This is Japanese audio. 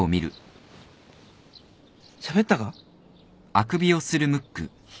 しゃべったか？